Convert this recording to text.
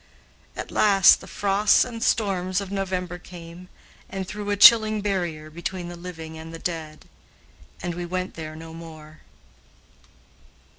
At last the frosts and storms of November came and threw a chilling barrier between the living and the dead, and we went there no more.